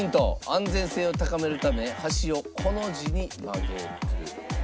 安全性を高めるため端をコの字に曲げる。